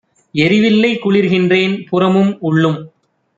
எரிவில்லை குளிர்கின்றேன் புறமும் உள்ளும்!